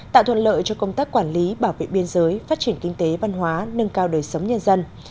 tạo thuận lợi cho công tác quản lý bảo vệ biên giới phát triển kinh tế văn hóa nâng cao đời sống nhân dân